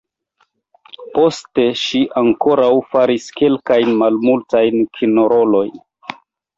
Poste ŝi ankoraŭ faris kelkajn malmultajn kinrolojn.